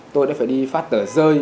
tôi đã phải đi phát tờ rơi